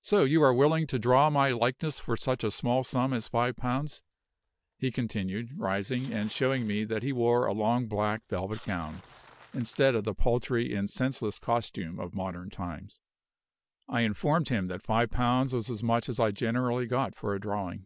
So you are willing to draw my likeness for such a small sum as five pounds?" he continued, rising, and showing me that he wore a long black velvet gown, instead of the paltry and senseless costume of modern times. I informed him that five pounds was as much as I generally got for a drawing.